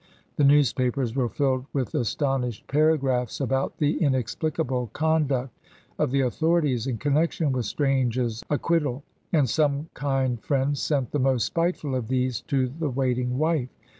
The newspapers were filled with astonished paragraphs about the inexplicable conduct of the authorities in connection with Strange's acquittal, and some kind friend sent the most spiteful of these to the waiting wife.